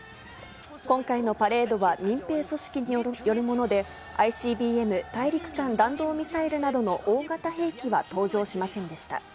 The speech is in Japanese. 今回のパレードは民兵組織によるもので、ＩＣＢＭ・大陸間弾道ミサイルなどの大型兵器は登場しませんでした。